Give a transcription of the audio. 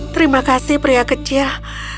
terima kasih pria kecil